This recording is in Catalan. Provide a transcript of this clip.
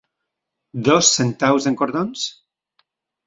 Dos centaus en cordons?